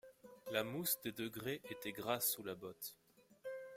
La mousse des degrés était grasse sous la botte.